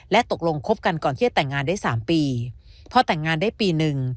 ตกลงคบกันก่อนที่จะแต่งงานได้สามปีพอแต่งงานได้ปีหนึ่ง